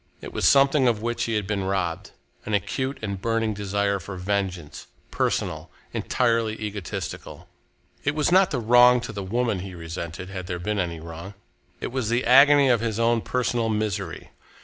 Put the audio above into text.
It was something of which he had been robbed, an acute and burning desire for vengeance, personal, entirely egotistical. It was not the wrong to the woman which he resented, had there been any wrong. It was the agony of his own personal misery.